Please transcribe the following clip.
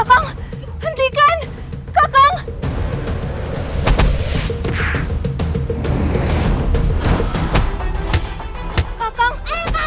tung jangan galak galak